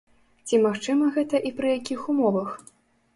Ці магчыма гэта і пры якіх умовах?